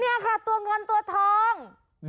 นี่ค่ะตัวเงินตัวทอง